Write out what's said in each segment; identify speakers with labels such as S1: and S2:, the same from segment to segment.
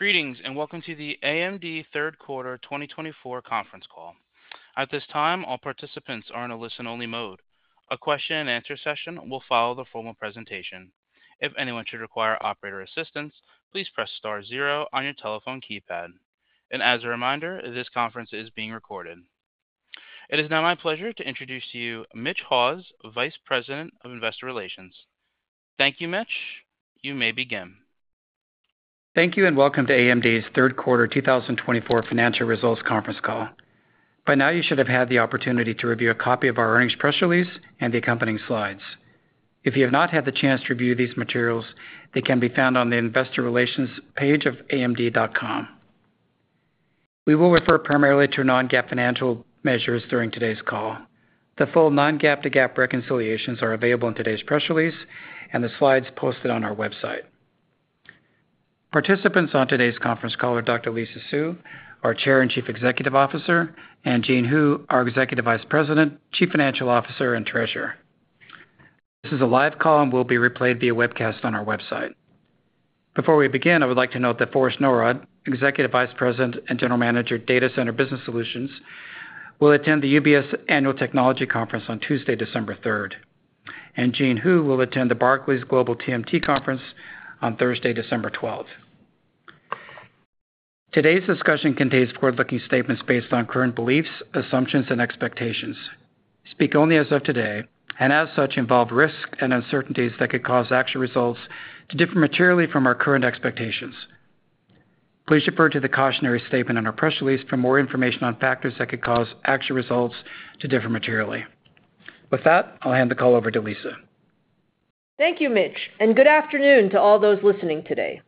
S1: Greetings and welcome to the AMD Third Quarter 2024 Conference Call. At this time, all participants are in a listen-only mode. A question-and-answer session will follow the formal presentation. If anyone should require operator assistance, please press star zero on your telephone keypad. And as a reminder, this conference is being recorded. It is now my pleasure to introduce to you Mitch Haws, Vice President of Investor Relations. Thank you, Mitch. You may begin.
S2: Thank you and welcome to AMD's Third Quarter 2024 Financial Results Conference Call. By now, you should have had the opportunity to review a copy of our earnings press release and the accompanying slides. If you have not had the chance to review these materials, they can be found on the Investor Relations page of AMD.com. We will refer primarily to non-GAAP financial measures during today's call. The full non-GAAP to GAAP reconciliations are available in today's press release and the slides posted on our website. Participants on today's conference call are Dr. Lisa Su, our Chair and Chief Executive Officer, and Jean Hu, our Executive Vice President, Chief Financial Officer, and Treasurer. This is a live call and will be replayed via webcast on our website. Before we begin, I would like to note that Forrest Norrod, Executive Vice President and General Manager, Data Center Business Solutions, will attend the UBS Annual Technology Conference on Tuesday, December 3rd, and Jean Hu will attend the Barclays Global TMT Conference on Thursday, December 12th. Today's discussion contains forward-looking statements based on current beliefs, assumptions, and expectations, which speak only as of today and, as such, involve risks and uncertainties that could cause actual results to differ materially from our current expectations. Please refer to the cautionary statement on our press release for more information on factors that could cause actual results to differ materially. With that, I'll hand the call over to Lisa.
S3: Thank you, Mitch, and good afternoon to all those listening today.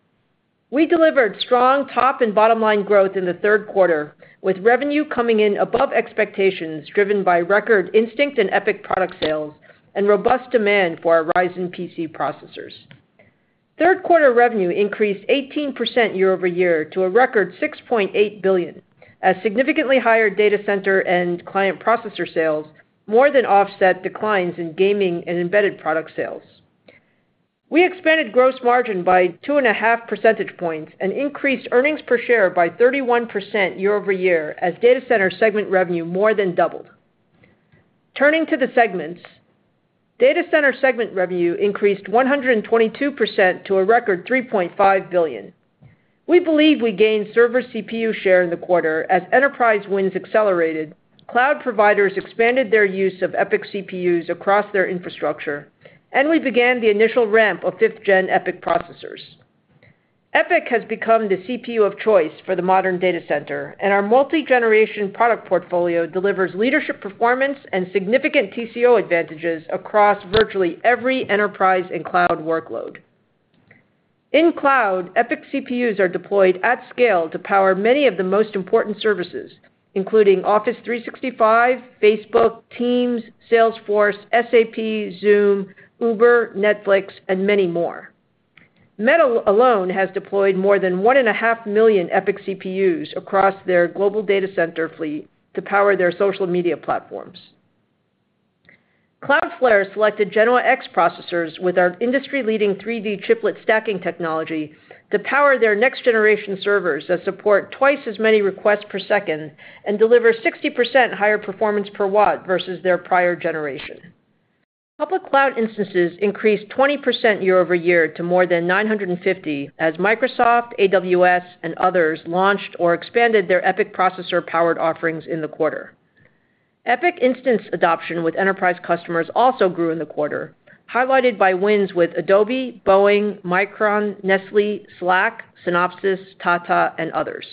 S3: We delivered strong top and bottom-line growth in the third quarter, with revenue coming in above expectations driven by record Instinct and EPYC product sales and robust demand for our Ryzen PC processors. Third quarter revenue increased 18% year-over-year to a record $6.8 billion, as significantly higher data center and client processor sales more than offset declines in gaming and embedded product sales. We expanded gross margin by two and a half percentage points and increased earnings per share by 31% year-over-year, as data center segment revenue more than doubled. Turning to the segments, data center segment revenue increased 122% to a record $3.5 billion. We believe we gained server CPU share in the quarter, as enterprise wins accelerated, cloud providers expanded their use of EPYC CPUs across their infrastructure, and we began the initial ramp of 5th-gen EPYC processors. EPYC has become the CPU of choice for the modern data center, and our multi-generation product portfolio delivers leadership performance and significant TCO advantages across virtually every enterprise and cloud workload. In cloud, EPYC CPUs are deployed at scale to power many of the most important services, including Office 365, Facebook, Teams, Salesforce, SAP, Zoom, Uber, Netflix, and many more. Meta alone has deployed more than 1.5 million EPYC CPUs across their global data center fleet to power their social media platforms. Cloudflare selected Genoa-X processors with our industry-leading 3D chiplet stacking technology to power their next-generation servers that support twice as many requests per second and deliver 60% higher performance per watt versus their prior generation. Public cloud instances increased 20% year-over-year to more than 950, as Microsoft, AWS, and others launched or expanded their EPYC processor-powered offerings in the quarter. EPYC instance adoption with enterprise customers also grew in the quarter, highlighted by wins with Adobe, Boeing, Micron, Nestlé, Slack, Synopsys, Tata, and others.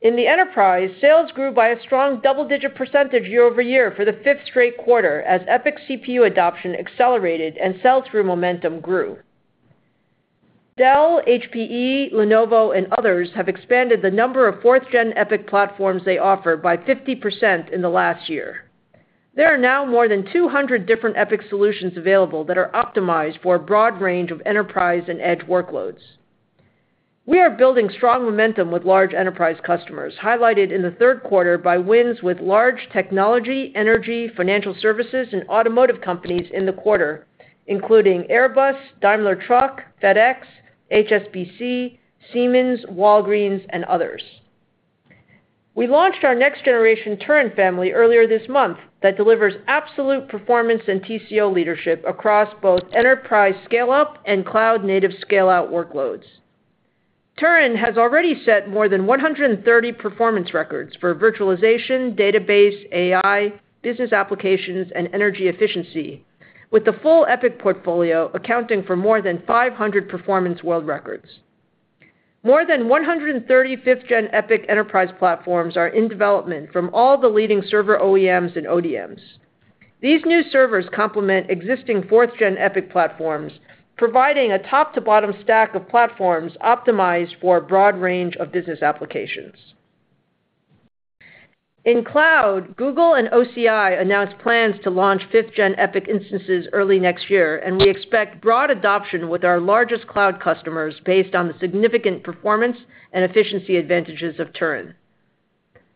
S3: In the enterprise, sales grew by a strong double-digit percentage year-over-year for the fifth straight quarter, as EPYC CPU adoption accelerated and sell-through momentum grew. Dell, HPE, Lenovo, and others have expanded the number of fourth-gen EPYC platforms they offer by 50% in the last year. There are now more than 200 different EPYC solutions available that are optimized for a broad range of enterprise and edge workloads. We are building strong momentum with large enterprise customers, highlighted in the third quarter by wins with large technology, energy, financial services, and automotive companies in the quarter, including Airbus, Daimler Truck, FedEx, HSBC, Siemens, Walgreens, and others. We launched our next-generation Turin family earlier this month that delivers absolute performance and TCO leadership across both enterprise scale-up and cloud-native scale-out workloads. Turin has already set more than 130 performance records for virtualization, database, AI, business applications, and energy efficiency, with the full EPYC portfolio accounting for more than 500 performance world records. More than 130 5th-gen EPYC enterprise platforms are in development from all the leading server OEMs and ODMs. These new servers complement existing fourth-gen EPYC platforms, providing a top-to-bottom stack of platforms optimized for a broad range of business applications. In cloud, Google and OCI announced plans to launch fifth-gen EPYC instances early next year, and we expect broad adoption with our largest cloud customers based on the significant performance and efficiency advantages of Turin.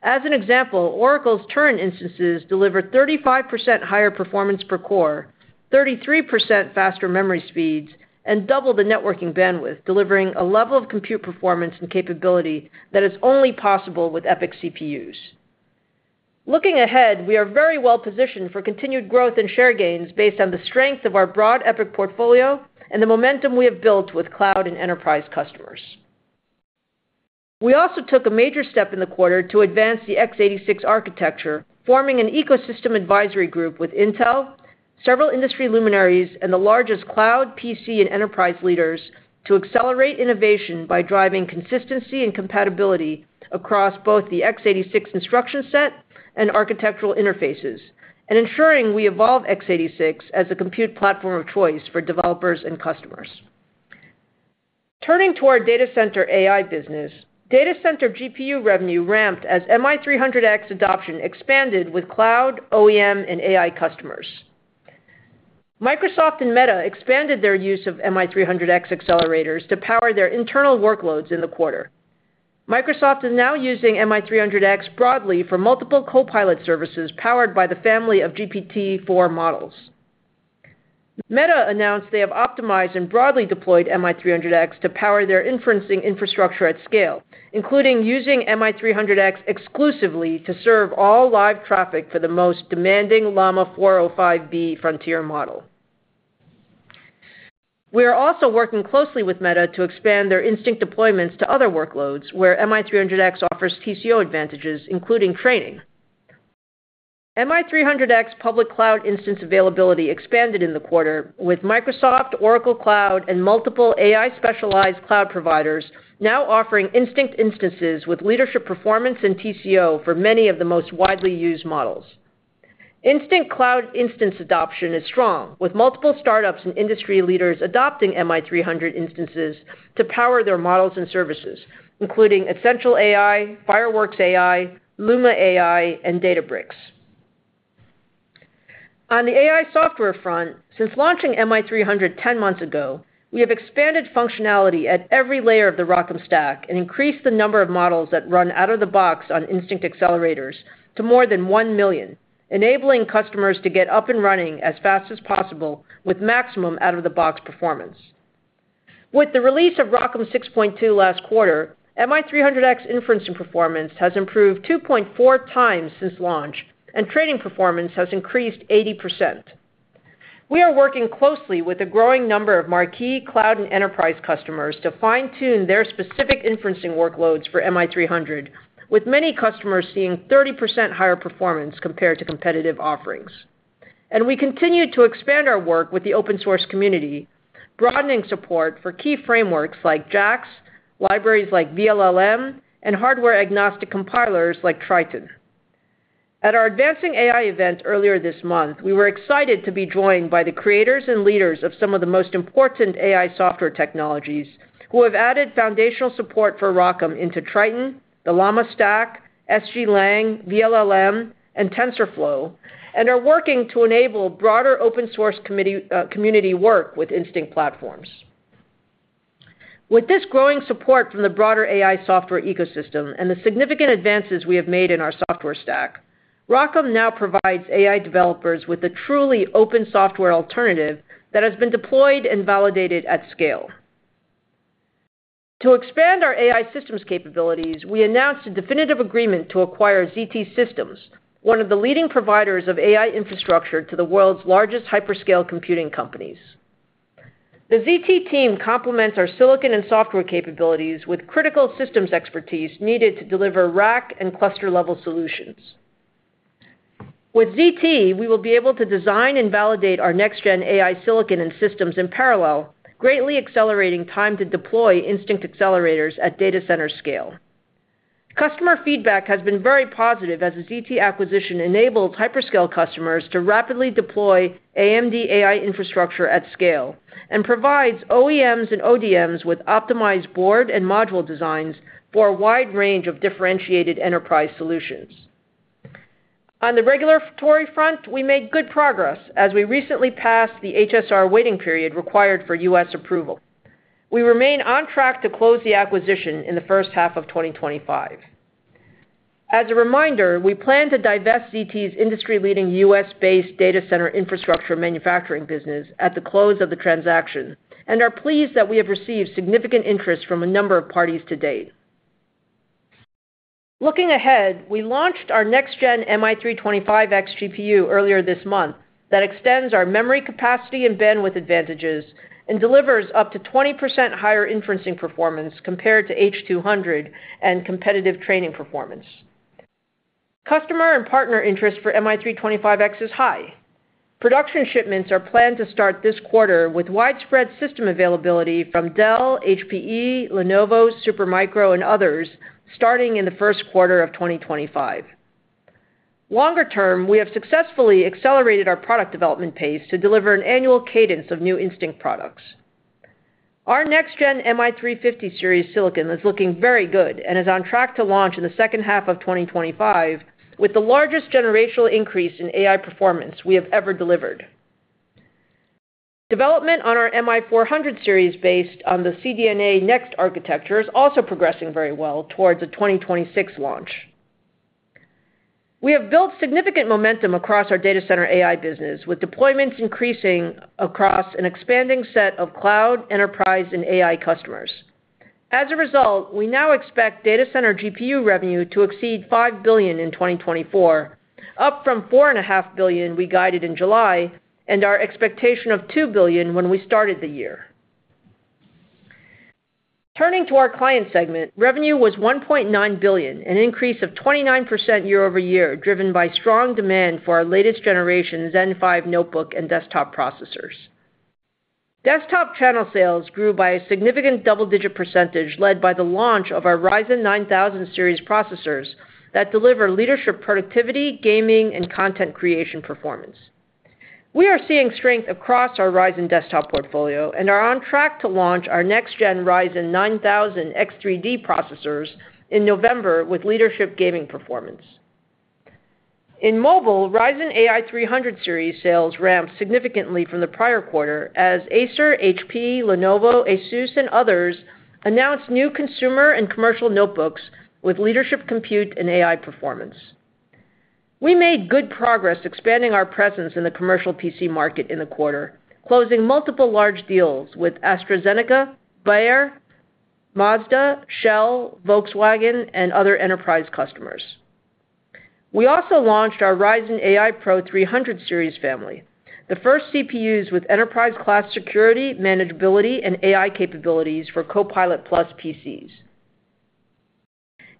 S3: As an example, Oracle's Turin instances deliver 35% higher performance per core, 33% faster memory speeds, and double the networking bandwidth, delivering a level of compute performance and capability that is only possible with EPYC CPUs. Looking ahead, we are very well positioned for continued growth and share gains based on the strength of our broad EPYC portfolio and the momentum we have built with cloud and enterprise customers. We also took a major step in the quarter to advance the x86 architecture, forming an ecosystem advisory group with Intel, several industry luminaries, and the largest cloud, PC, and enterprise leaders to accelerate innovation by driving consistency and compatibility across both the x86 instruction set and architectural interfaces, and ensuring we evolve x86 as a compute platform of choice for developers and customers. Turning to our data center AI business, data center GPU revenue ramped as MI300X adoption expanded with cloud, OEM, and AI customers. Microsoft and Meta expanded their use of MI300X accelerators to power their internal workloads in the quarter. Microsoft is now using MI300X broadly for multiple Copilot services powered by the family of GPT-4 models. Meta announced they have optimized and broadly deployed MI300X to power their inference infrastructure at scale, including using MI300X exclusively to serve all live traffic for the most demanding Llama 405B frontier model. We are also working closely with Meta to expand their Instinct deployments to other workloads, where MI300X offers TCO advantages, including training. MI300X public cloud instance availability expanded in the quarter, with Microsoft, Oracle Cloud, and multiple AI-specialized cloud providers now offering Instinct instances with leadership performance and TCO for many of the most widely used models. Instinct cloud instance adoption is strong, with multiple startups and industry leaders adopting MI300 instances to power their models and services, including Essential AI, Fireworks AI, Luma AI, and Databricks. On the AI software front, since launching MI300 ten months ago, we have expanded functionality at every layer of the ROCm stack and increased the number of models that run out of the box on Instinct accelerators to more than one million, enabling customers to get up and running as fast as possible with maximum out-of-the-box performance. With the release of ROCm 6.2 last quarter, MI300X inferencing performance has improved 2.4 times since launch, and training performance has increased 80%. We are working closely with a growing number of marquee cloud and enterprise customers to fine-tune their specific inferencing workloads for MI300, with many customers seeing 30% higher performance compared to competitive offerings. And we continue to expand our work with the open-source community, broadening support for key frameworks like JAX, libraries like vLLM, and hardware-agnostic compilers like Triton. At our Advancing AI event earlier this month, we were excited to be joined by the creators and leaders of some of the most important AI software technologies who have added foundational support for ROCm into Triton, the Llama Stack, SGLang, vLLM, and TensorFlow, and are working to enable broader open-source community work with Instinct platforms. With this growing support from the broader AI software ecosystem and the significant advances we have made in our software stack, ROCm now provides AI developers with a truly open software alternative that has been deployed and validated at scale. To expand our AI systems capabilities, we announced a definitive agreement to acquire ZT Systems, one of the leading providers of AI infrastructure to the world's largest hyperscale computing companies. The ZT team complements our silicon and software capabilities with critical systems expertise needed to deliver rack and cluster-level solutions. With ZT, we will be able to design and validate our next-gen AI silicon and systems in parallel, greatly accelerating time to deploy Instinct accelerators at data center scale. Customer feedback has been very positive as the ZT acquisition enables hyperscale customers to rapidly deploy AMD AI infrastructure at scale and provides OEMs and ODMs with optimized board and module designs for a wide range of differentiated enterprise solutions. On the regulatory front, we made good progress as we recently passed the HSR waiting period required for U.S. approval. We remain on track to close the acquisition in the first half of 2025. As a reminder, we plan to divest ZT's industry-leading U.S.-based data center infrastructure manufacturing business at the close of the transaction and are pleased that we have received significant interest from a number of parties to date. Looking ahead, we launched our next-gen MI325X GPU earlier this month that extends our memory capacity and bandwidth advantages and delivers up to 20% higher inference performance compared to H200 and competitive training performance. Customer and partner interest for MI325X is high. Production shipments are planned to start this quarter with widespread system availability from Dell, HPE, Lenovo, Supermicro, and others starting in the first quarter of 2025. Longer term, we have successfully accelerated our product development pace to deliver an annual cadence of new Instinct products. Our next-gen MI350 series silicon is looking very good and is on track to launch in the second half of 2025 with the largest generational increase in AI performance we have ever delivered. Development on our MI400 series based on the CDNA Next architecture is also progressing very well towards a 2026 launch. We have built significant momentum across our data center AI business, with deployments increasing across an expanding set of cloud, enterprise, and AI customers. As a result, we now expect data center GPU revenue to exceed $5 billion in 2024, up from $4.5 billion we guided in July and our expectation of $2 billion when we started the year. Turning to our client segment, revenue was $1.9 billion, an increase of 29% year-over-year driven by strong demand for our latest generation Zen 5 notebook and desktop processors. Desktop channel sales grew by a significant double-digit percentage led by the launch of our Ryzen 9000 series processors that deliver leadership productivity, gaming, and content creation performance. We are seeing strength across our Ryzen desktop portfolio and are on track to launch our next-gen Ryzen 9000 X3D processors in November with leadership gaming performance. In mobile, Ryzen AI 300 Series sales ramped significantly from the prior quarter as Acer, HP, Lenovo, ASUS, and others announced new consumer and commercial notebooks with leadership compute and AI performance. We made good progress expanding our presence in the commercial PC market in the quarter, closing multiple large deals with AstraZeneca, Bayer, Mazda, Shell, Volkswagen, and other enterprise customers. We also launched our Ryzen AI Pro 300 Series family, the first CPUs with enterprise-class security, manageability, and AI capabilities for Copilot+ PCs.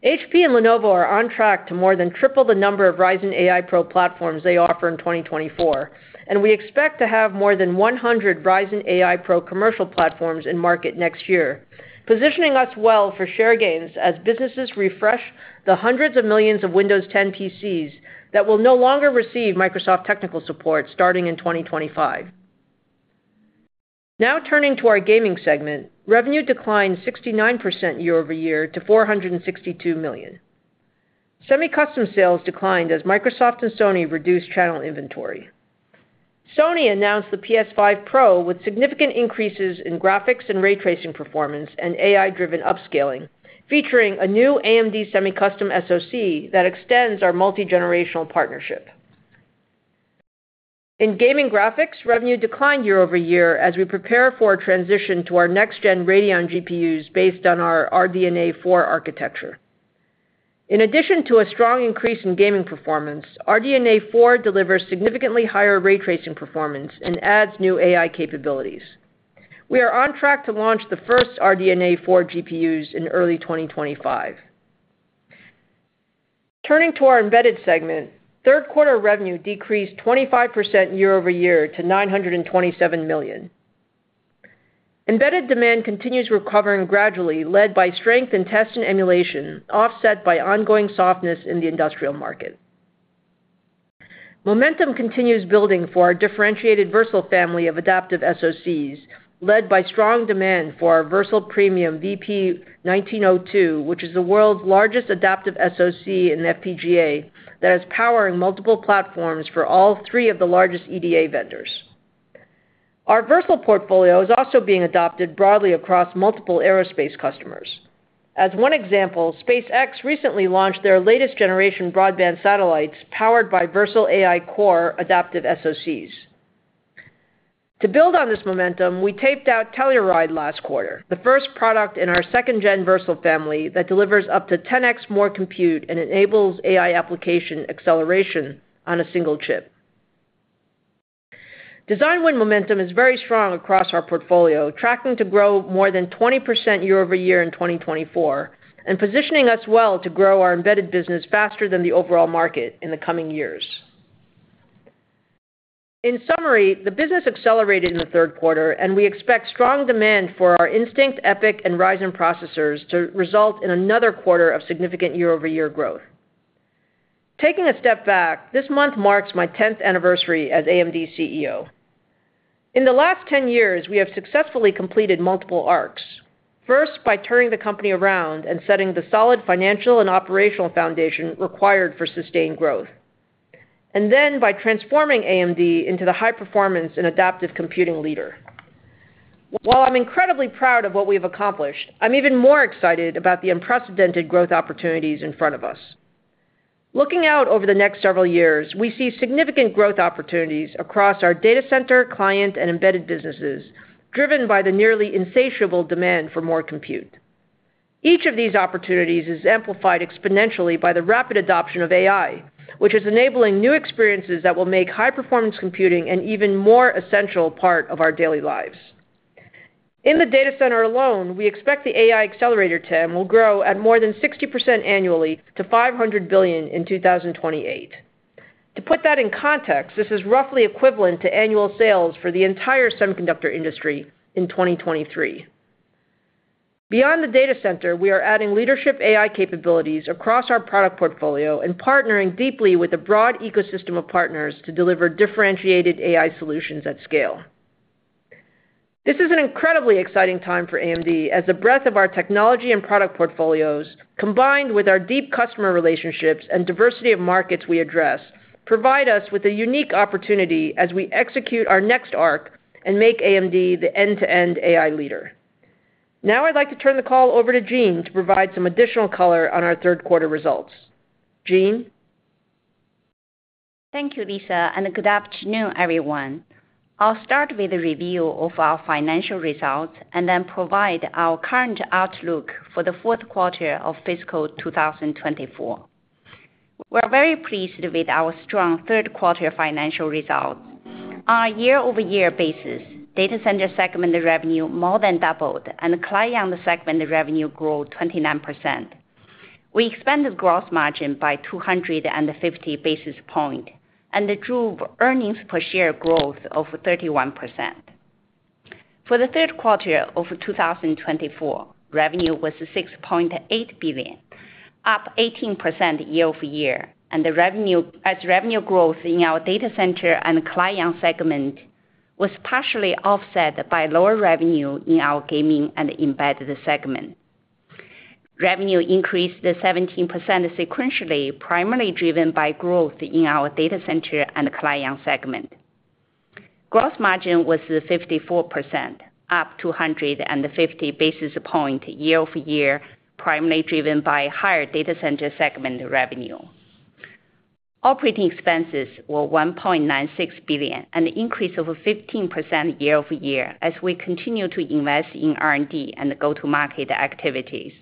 S3: HP and Lenovo are on track to more than triple the number of Ryzen AI Pro platforms they offer in 2024, and we expect to have more than 100 Ryzen AI Pro commercial platforms in market next year, positioning us well for share gains as businesses refresh the hundreds of millions of Windows 10 PCs that will no longer receive Microsoft technical support starting in 2025. Now turning to our gaming segment, revenue declined 69% year-over-year to $462 million. Semi-custom sales declined as Microsoft and Sony reduced channel inventory. Sony announced the PS5 Pro with significant increases in graphics and ray tracing performance and AI-driven upscaling, featuring a new AMD semi-custom SoC that extends our multi-generational partnership. In gaming graphics, revenue declined year-over-year as we prepare for a transition to our next-gen Radeon GPUs based on our RDNA 4 architecture. In addition to a strong increase in gaming performance, RDNA 4 delivers significantly higher ray tracing performance and adds new AI capabilities. We are on track to launch the first RDNA 4 GPUs in early 2025. Turning to our embedded segment, third-quarter revenue decreased 25% year-over-year to $927 million. Embedded demand continues recovering gradually, led by strength in test and emulation, offset by ongoing softness in the industrial market. Momentum continues building for our differentiated Versal family of adaptive SoCs, led by strong demand for our Versal Premium VP1902, which is the world's largest adaptive SoC in FPGA that is powering multiple platforms for all three of the largest EDA vendors. Our Versal portfolio is also being adopted broadly across multiple aerospace customers. As one example, SpaceX recently launched their latest generation broadband satellites powered by Versal AI Core adaptive SoCs. To build on this momentum, we taped out Telluride last quarter, the first product in our second-gen Versal family that delivers up to 10x more compute and enables AI application acceleration on a single chip. Design win momentum is very strong across our portfolio, tracking to grow more than 20% year-over-year in 2024 and positioning us well to grow our embedded business faster than the overall market in the coming years. In summary, the business accelerated in the third quarter, and we expect strong demand for our Instinct, EPYC, and Ryzen processors to result in another quarter of significant year-over-year growth. Taking a step back, this month marks my 10th anniversary as AMD CEO. In the last 10 years, we have successfully completed multiple arcs, first by turning the company around and setting the solid financial and operational foundation required for sustained growth, and then by transforming AMD into the high-performance and adaptive computing leader. While I'm incredibly proud of what we have accomplished, I'm even more excited about the unprecedented growth opportunities in front of us. Looking out over the next several years, we see significant growth opportunities across our data center, client, and embedded businesses, driven by the nearly insatiable demand for more compute. Each of these opportunities is amplified exponentially by the rapid adoption of AI, which is enabling new experiences that will make high-performance computing an even more essential part of our daily lives. In the data center alone, we expect the AI accelerator TAM will grow at more than 60% annually to $500 billion in 2028. To put that in context, this is roughly equivalent to annual sales for the entire semiconductor industry in 2023. Beyond the data center, we are adding leadership AI capabilities across our product portfolio and partnering deeply with a broad ecosystem of partners to deliver differentiated AI solutions at scale. This is an incredibly exciting time for AMD, as the breadth of our technology and product portfolios, combined with our deep customer relationships and diversity of markets we address, provide us with a unique opportunity as we execute our next arc and make AMD the end-to-end AI leader. Now I'd like to turn the call over to Jean to provide some additional color on our third-quarter results. Jean?
S4: Thank you, Lisa, and good afternoon, everyone. I'll start with a review of our financial results and then provide our current outlook for the fourth quarter of fiscal 2024. We're very pleased with our strong third-quarter financial results. On a year-over-year basis, Data Center segment revenue more than doubled, and Client segment revenue grew 29%. We expanded gross margin by 250 basis points and drove earnings per share growth of 31%. For the third quarter of 2024, revenue was $6.8 billion, up 18% year-over-year, and revenue growth in our Data Center and Client segment was partially offset by lower revenue in our Gaming and Embedded segment. Revenue increased 17% sequentially, primarily driven by growth in our Data Center and Client segment. Gross margin was 54%, up 250 basis points year-over-year, primarily driven by higher Data Center segment revenue. Operating expenses were $1.96 billion, an increase of 15% year-over-year as we continue to invest in R&D and go-to-market activities.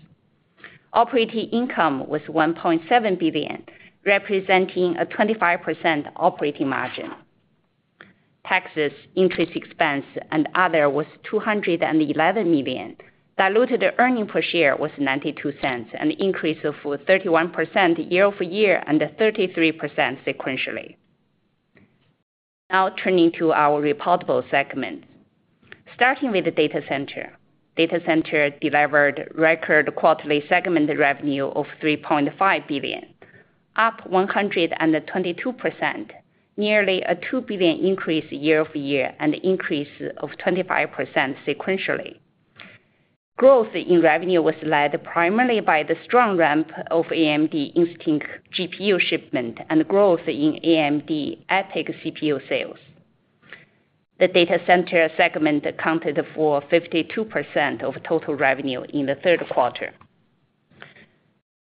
S4: Operating income was $1.7 billion, representing a 25% operating margin. Taxes, interest expense, and other was $211 million. Diluted earnings per share was $0.92, an increase of 31% year-over-year and 33% sequentially. Now turning to our reportable segments. Starting with the data center, data center delivered record quarterly segment revenue of $3.5 billion, up 122%, nearly a $2 billion increase year-over-year and an increase of 25% sequentially. Growth in revenue was led primarily by the strong ramp of AMD Instinct GPU shipments and growth in AMD EPYC CPU sales. The data center segment accounted for 52% of total revenue in the third quarter.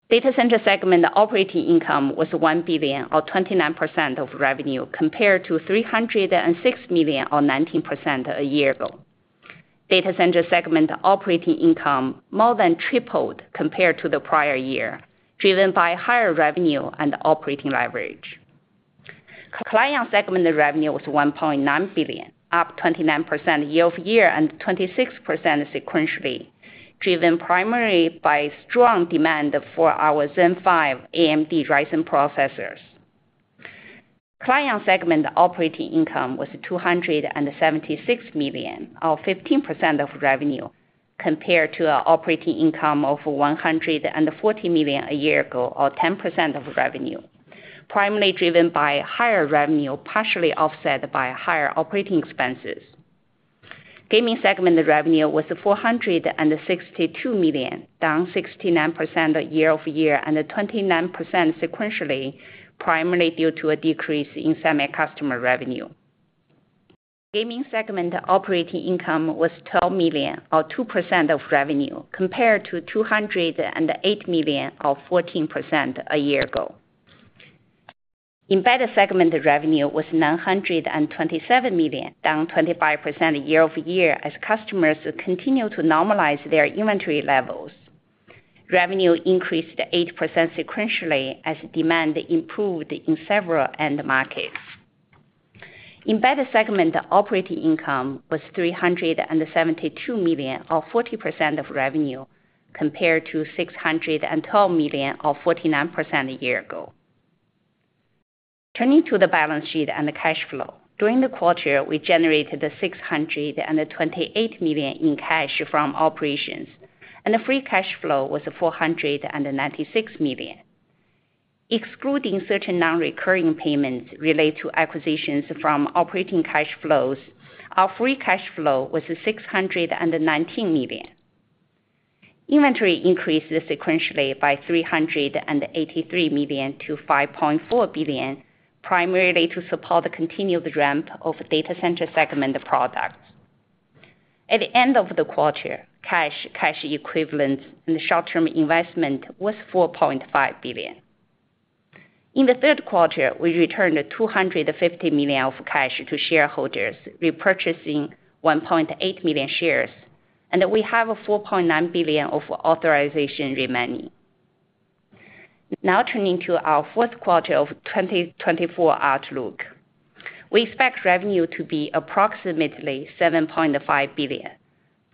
S4: Data center segment operating income was $1 billion, or 29% of revenue, compared to $306 million, or 19% a year ago. Data center segment operating income more than tripled compared to the prior year, driven by higher revenue and operating leverage. Client segment revenue was $1.9 billion, up 29% year-over-year and 26% sequentially, driven primarily by strong demand for our Zen 5 AMD Ryzen processors. Client segment operating income was $276 million, or 15% of revenue, compared to an operating income of $140 million a year ago, or 10% of revenue, primarily driven by higher revenue partially offset by higher operating expenses. Gaming segment revenue was $462 million, down 69% year-over-year and 29% sequentially, primarily due to a decrease in semi-custom revenue. Gaming segment operating income was $12 million, or 2% of revenue, compared to $208 million, or 14% a year ago. Embedded segment revenue was $927 million, down 25% year-over-year as customers continue to normalize their inventory levels. Revenue increased 8% sequentially as demand improved in several end markets. Embedded segment operating income was $372 million, or 40% of revenue, compared to $612 million, or 49% a year ago. Turning to the balance sheet and the cash flow, during the quarter, we generated $628 million in cash from operations, and the free cash flow was $496 million. Excluding certain non-recurring payments related to acquisitions from operating cash flows, our free cash flow was $619 million. Inventory increased sequentially by $383 million to $5.4 billion, primarily to support the continued ramp of data center segment products. At the end of the quarter, cash, cash equivalents, and the short-term investment was $4.5 billion. In the third quarter, we returned $250 million of cash to shareholders, repurchasing 1.8 million shares, and we have $4.9 billion of authorization remaining. Now turning to our fourth quarter of 2024 outlook, we expect revenue to be approximately $7.5 billion,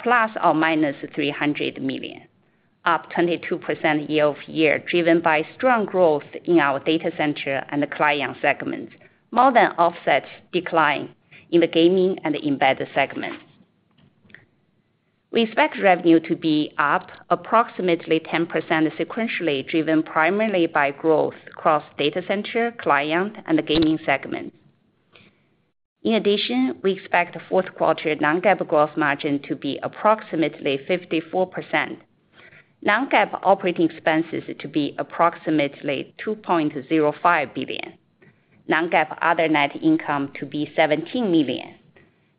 S4: plus or minus $300 million, up 22% year-over-year, driven by strong growth in our data center and client segments, more than offset decline in the gaming and embedded segments. We expect revenue to be up approximately 10% sequentially, driven primarily by growth across data center, client, and the gaming segment. In addition, we expect the fourth quarter non-GAAP gross margin to be approximately 54%, non-GAAP operating expenses to be approximately $2.05 billion, non-GAAP other net income to be $17 million,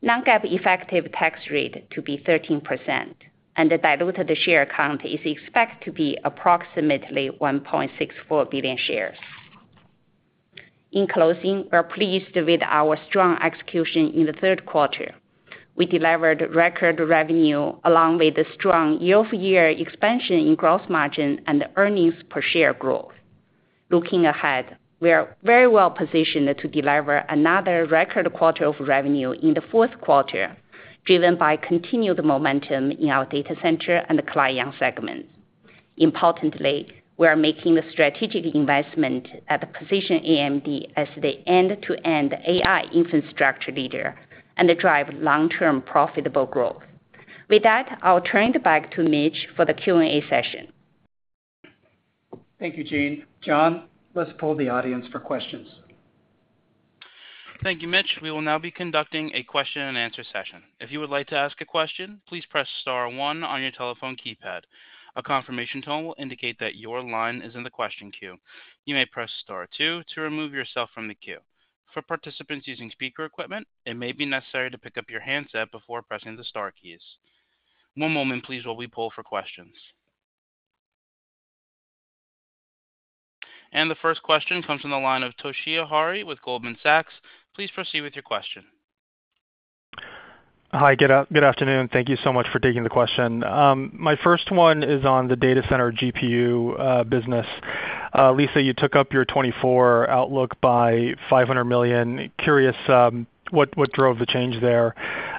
S4: non-GAAP effective tax rate to be 13%, and the diluted share count is expected to be approximately 1.64 billion shares. In closing, we're pleased with our strong execution in the third quarter. We delivered record revenue along with a strong year-over-year expansion in gross margin and earnings per share growth. Looking ahead, we are very well positioned to deliver another record quarter of revenue in the fourth quarter, driven by continued momentum in our data center and client segments. Importantly, we are making the strategic investment to position AMD as the end-to-end AI infrastructure leader and drive long-term profitable growth. With that, I'll turn it back to Mitch for the Q&A session.
S2: Thank you, Jean. John, let's poll the audience for questions.
S1: Thank you, Mitch. We will now be conducting a question-and-answer session. If you would like to ask a question, please press star one on your telephone keypad. A confirmation tone will indicate that your line is in the question queue. You may press star two to remove yourself from the queue. For participants using speaker equipment, it may be necessary to pick up your handset before pressing the star keys. One moment, please, while we poll for questions. And the first question comes from the line of Toshiya Hari with Goldman Sachs. Please proceed with your question.
S5: Hi, good afternoon. Thank you so much for taking the question. My first one is on the data center GPU business. Lisa, you took up your 2024 outlook by $500 million. Curious what drove the change there.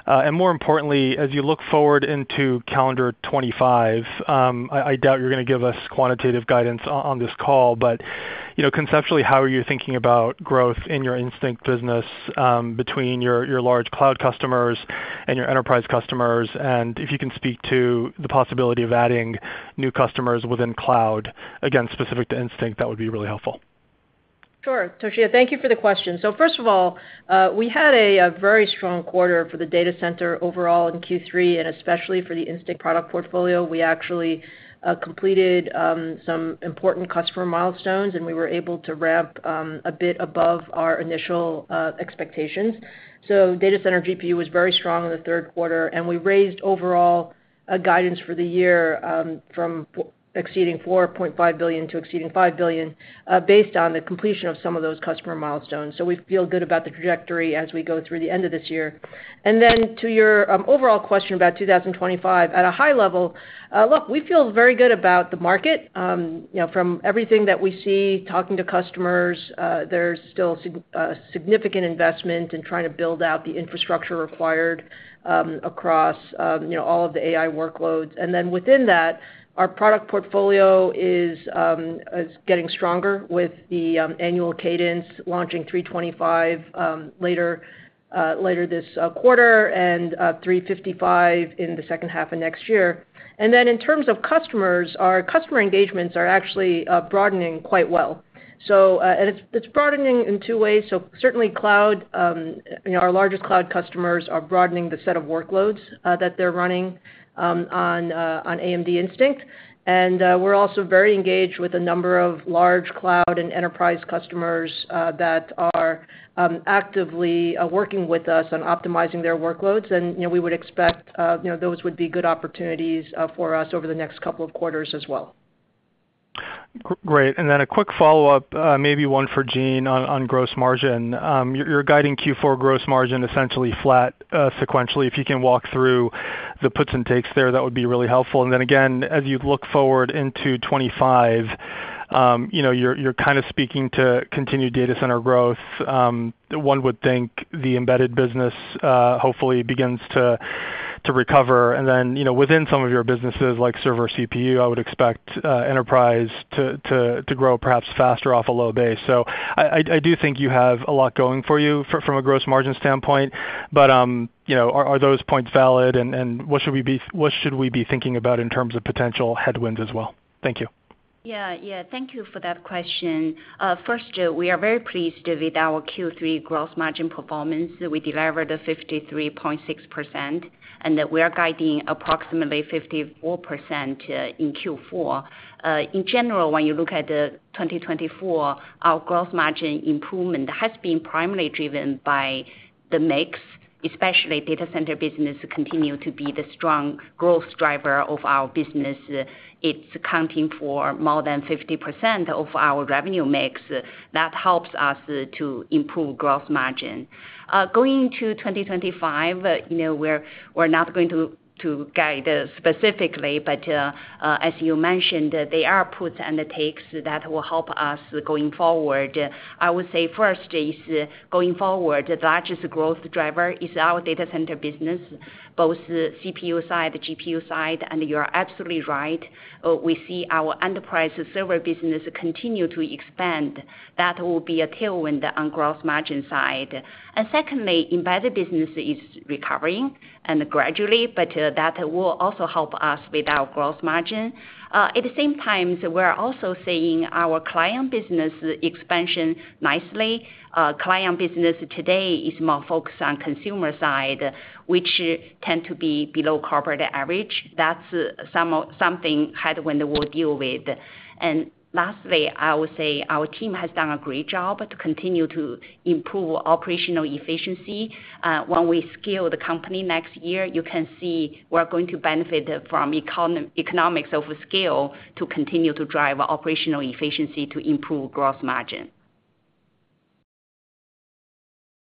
S5: And more importantly, as you look forward into calendar 2025, I doubt you're going to give us quantitative guidance on this call, but conceptually, how are you thinking about growth in your Instinct business between your large cloud customers and your enterprise customers? And if you can speak to the possibility of adding new customers within cloud, again, specific to Instinct, that would be really helpful.
S3: Sure. Toshiya, thank you for the question. So first of all, we had a very strong quarter for the data center overall in Q3, and especially for the Instinct product portfolio. We actually completed some important customer milestones, and we were able to ramp a bit above our initial expectations. So data center GPU was very strong in the third quarter, and we raised overall guidance for the year from exceeding $4.5 billion to exceeding $5 billion based on the completion of some of those customer milestones. So we feel good about the trajectory as we go through the end of this year. And then to your overall question about 2025, at a high level, look, we feel very good about the market. From everything that we see, talking to customers, there's still significant investment in trying to build out the infrastructure required across all of the AI workloads. And then within that, our product portfolio is getting stronger with the annual cadence, launching MI325X later this quarter and MI355 in the second half of next year. And then in terms of customers, our customer engagements are actually broadening quite well. So it's broadening in two ways. So certainly, our largest cloud customers are broadening the set of workloads that they're running on AMD Instinct, and we're also very engaged with a number of large cloud and enterprise customers that are actively working with us on optimizing their workloads. And we would expect those would be good opportunities for us over the next couple of quarters as well.
S5: Great. And then a quick follow-up, maybe one for Jean on gross margin. You're guiding Q4 gross margin essentially flat sequentially. If you can walk through the puts and takes there, that would be really helpful. And then again, as you look forward into 2025, you're kind of speaking to continued data center growth. One would think the embedded business hopefully begins to recover. And then within some of your businesses like server CPU, I would expect enterprise to grow perhaps faster off a low base. So I do think you have a lot going for you from a gross margin standpoint, but are those points valid, and what should we be thinking about in terms of potential headwinds as well? Thank you.
S4: Yeah, yeah. Thank you for that question. First, we are very pleased with our Q3 gross margin performance. We delivered 53.6%, and we are guiding approximately 54% in Q4. In general, when you look at 2024, our gross margin improvement has been primarily driven by the mix, especially data center business continuing to be the strong growth driver of our business. It's accounting for more than 50% of our revenue mix. That helps us to improve gross margin. Going into 2025, we're not going to guide specifically, but as you mentioned, there are puts and takes that will help us going forward. I would say first is going forward, the largest growth driver is our data center business, both CPU side, GPU side, and you're absolutely right. We see our enterprise server business continue to expand. That will be a tailwind on gross margin side. And secondly, embedded business is recovering gradually, but that will also help us with our gross margin. At the same time, we're also seeing our client business expansion nicely. Client business today is more focused on consumer side, which tends to be below corporate average. That's a headwind we'll deal with. And lastly, I will say our team has done a great job to continue to improve operational efficiency. When we scale the company next year, you can see we're going to benefit from economies of scale to continue to drive operational efficiency to improve gross margin.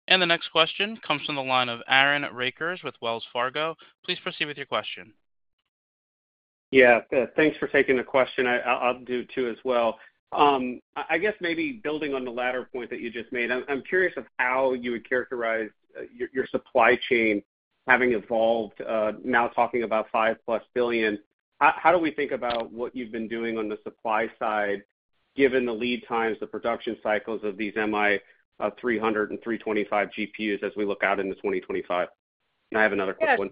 S1: And the next question comes from the line of Aaron Rakers with Wells Fargo. Please proceed with your question.
S6: Yeah. Thanks for taking the question. I'll do two as well. I guess maybe building on the latter point that you just made, I'm curious of how you would characterize your supply chain having evolved, now talking about 5 plus billion. How do we think about what you've been doing on the supply side, given the lead times, the production cycles of these MI300 and MI325 GPUs as we look out into 2025? And I have another quick one.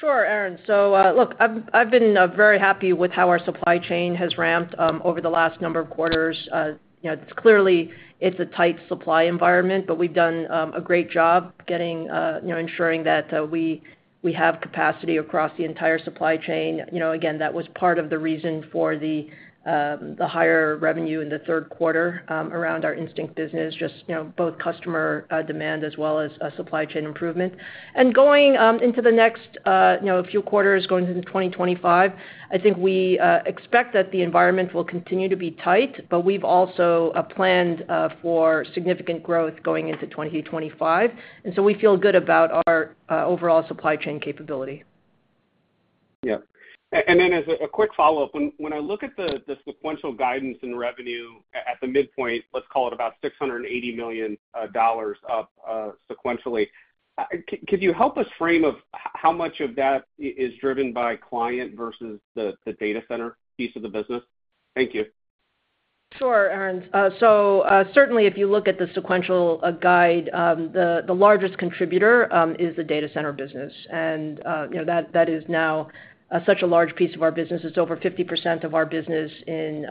S3: Sure, Aaron. So look, I've been very happy with how our supply chain has ramped over the last number of quarters. It's clearly a tight supply environment, but we've done a great job ensuring that we have capacity across the entire supply chain. Again, that was part of the reason for the higher revenue in the third quarter around our Instinct business, just both customer demand as well as supply chain improvement, and going into the next few quarters, going into 2025, I think we expect that the environment will continue to be tight, but we've also planned for significant growth going into 2025, and so we feel good about our overall supply chain capability.
S7: Yeah. And then as a quick follow-up, when I look at the sequential guidance and revenue at the midpoint, let's call it about $680 million up sequentially, could you help us frame how much of that is driven by client versus the data center piece of the business? Thank you.
S3: Sure, Aaron. Certainly, if you look at the sequential guide, the largest contributor is the data center business. And that is now such a large piece of our business. It's over 50% of our business in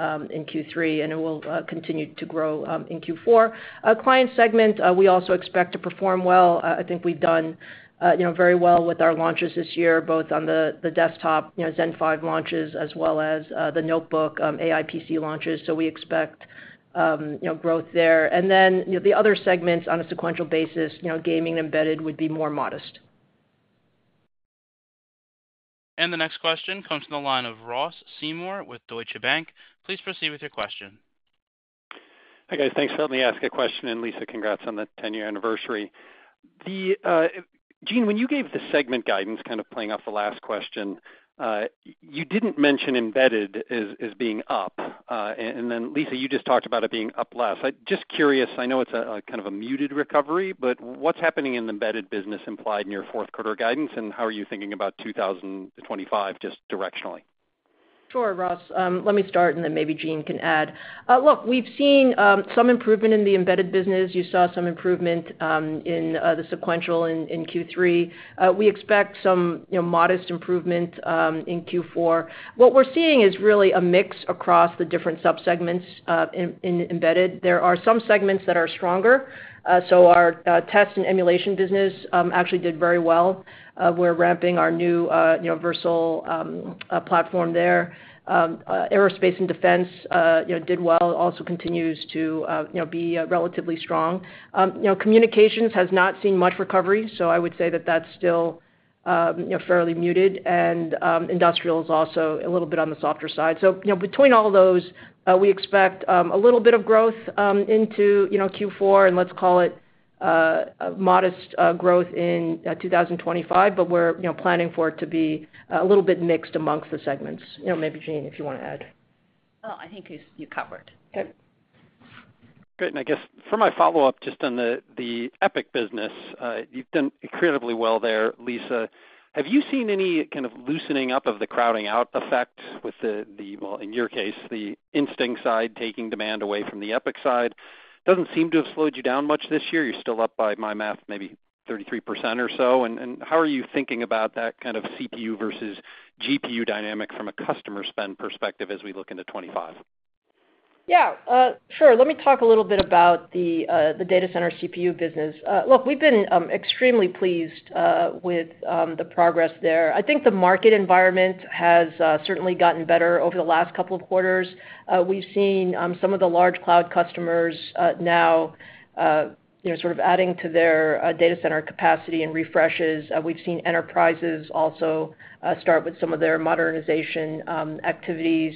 S3: Q3, and it will continue to grow in Q4. Client segment, we also expect to perform well. I think we've done very well with our launches this year, both on the desktop Zen 5 launches as well as the notebook AI PC launches. We expect growth there. And then the other segments on a sequential basis, gaming and embedded would be more modest.
S1: The next question comes from the line of Ross Seymore with Deutsche Bank. Please proceed with your question.
S8: Hey, guys. Thanks for letting me ask a question. Lisa, congrats on the 10-year anniversary. Jean, when you gave the segment guidance, kind of playing off the last question, you didn't mention embedded as being up. Then Lisa, you just talked about it being up less. Just curious, I know it's a kind of a muted recovery, but what's happening in the embedded business implied in your fourth quarter guidance, and how are you thinking about 2025 just directionally?
S3: Sure, Ross. Let me start, and then maybe Jean can add. Look, we've seen some improvement in the embedded business. You saw some improvement in the sequential in Q3. We expect some modest improvement in Q4. What we're seeing is really a mix across the different subsegments in embedded. There are some segments that are stronger. So our test and emulation business actually did very well. We're ramping our new Versal platform there. Aerospace and defense did well, also continues to be relatively strong. Communications has not seen much recovery, so I would say that that's still fairly muted. And industrial is also a little bit on the softer side. So between all those, we expect a little bit of growth into Q4, and let's call it modest growth in 2025, but we're planning for it to be a little bit mixed amongst the segments. Maybe Jean, if you want to add.
S4: Oh, I think you covered.
S3: Okay. Great.
S8: And I guess for my follow-up, just on the EPYC business, you've done incredibly well there, Lisa. Have you seen any kind of loosening up of the crowding out effect with the, well, in your case, the Instinct side taking demand away from the EPYC side? Doesn't seem to have slowed you down much this year. You're still up by my math, maybe 33% or so. And how are you thinking about that kind of CPU versus GPU dynamic from a customer spend perspective as we look into 2025?
S3: Yeah. Sure. Let me talk a little bit about the data center CPU business. Look, we've been extremely pleased with the progress there. I think the market environment has certainly gotten better over the last couple of quarters. We've seen some of the large cloud customers now sort of adding to their data center capacity and refreshes. We've seen enterprises also start with some of their modernization activities.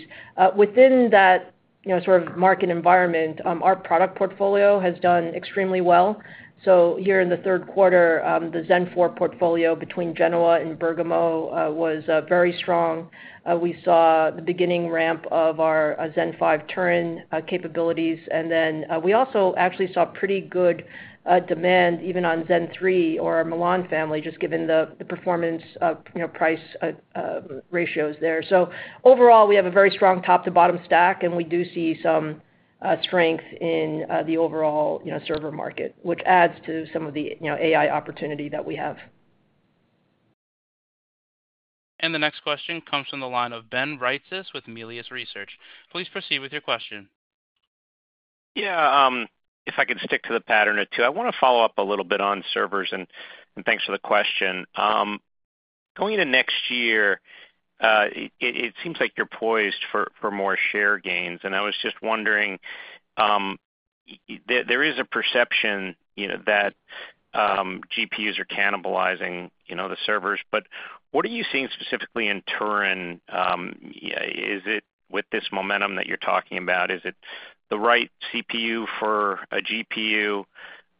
S3: Within that sort of market environment, our product portfolio has done extremely well, so here in the third quarter, the Zen 4 portfolio between Genoa and Bergamo was very strong. We saw the beginning ramp of our Zen 5 Turin capabilities, and then we also actually saw pretty good demand even on Zen 3 or our Milan family, just given the performance price ratios there, so overall, we have a very strong top-to-bottom stack, and we do see some strength in the overall server market, which adds to some of the AI opportunity that we have.
S1: And the next question comes from the line of Ben Reitzes with Melius Research. Please proceed with your question.
S9: Yeah. If I could stick to the pattern of two. I want to follow up a little bit on servers, and thanks for the question. Going into next year, it seems like you're poised for more share gains, and I was just wondering, there is a perception that GPUs are cannibalizing the servers, but what are you seeing specifically in Turin? Is it with this momentum that you're talking about? Is it the right CPU for a GPU?